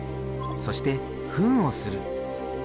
そして糞をする。